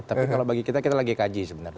tapi kalau bagi kita kita lagi kaji sebenarnya